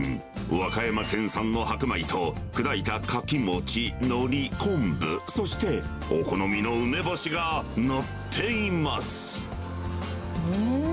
和歌山県産の白米と、砕いたかき餅、のり、昆布、そして、お好みの梅干しが載ってうーん！